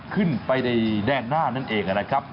ขึ้นไปในแดนหน้านั่นเองนะครับ